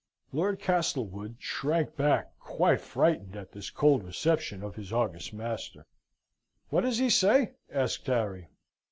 Lord Castlewood shrank back quite frightened at this cold reception of his august master. "What does he say?" asked Harry.